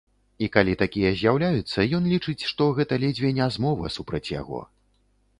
І калі такія з'яўляюцца, ён лічыць, што гэта ледзьве не змова супраць яго.